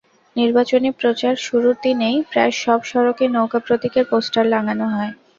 নির্বাচনী প্রচার শুরুর দিনেই প্রায় সব সড়কে নৌকা প্রতীকের পোস্টার টাঙানো হয়।